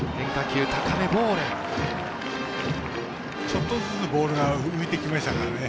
ちょっとずつボールが浮いてきましたからね。